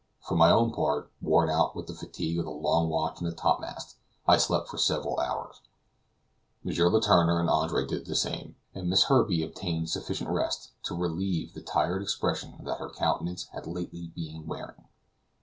For my own part, worn out with the fatigue of the long watch in the top mast, I slept for several hours; M. Letourneur and Andre did the same, and Miss Herbey obtained sufficient rest to relieve the tired expression that her countenance had lately being wearing.